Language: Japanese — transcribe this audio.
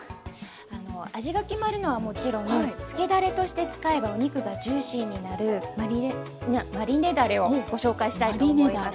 あの味が決まるのはもちろん漬けだれとして使えばお肉がジューシーになるマリネだれをご紹介したいと思います。